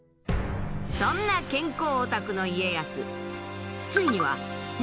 そんな健康オタクの家康。